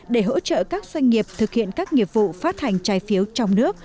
để hỗ trợ các doanh nghiệp thực hiện các nghiệp vụ phát hành trái phiếu trong nước